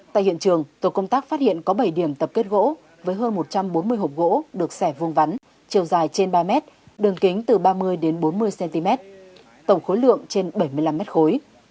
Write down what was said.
tại hiện trường tổ công tác phát hiện có bảy điểm tập kết gỗ với hơn một trăm bốn mươi hộp gỗ được xẻ vuông vắn chiều dài trên ba mét đường kính từ ba mươi đến bốn mươi cm tổng khối lượng trên bảy mươi năm mét khối